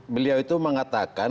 beliau itu mengatakan